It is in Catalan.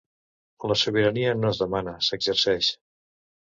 La sobirania no es demana, s’exerceix.